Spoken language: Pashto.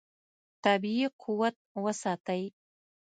طبیعي قوت وساتئ.